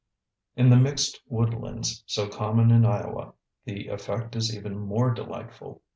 In the mixed woodlands, so common in Iowa, the effect is even more delightful.